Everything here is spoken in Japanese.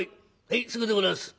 へいすぐでございやす」。